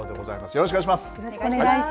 よろしくお願いします。